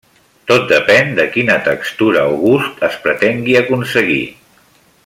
Tot depèn de quina textura o gust es pretengui aconseguir.